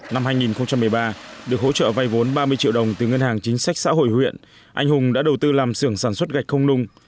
năm hai nghìn một mươi ba được hỗ trợ vay vốn ba mươi triệu đồng từ ngân hàng chính sách xã hội huyện anh hùng đã đầu tư làm xưởng sản xuất gạch không nung